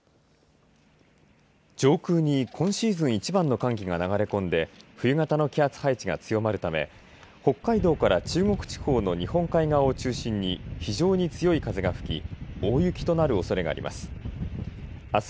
上空に今シーズン一番の寒気が流れ込んで、冬型の気圧配置が強まるため、北海道から中国地方の日本海側を中心に、非常に強い風が吹き、大雪となるおそれがあります。